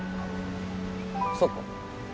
そっか。